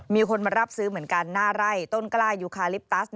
มีคนมารับซื้อเหมือนกันหน้าไร่ต้นกล้ายูคาลิปตัส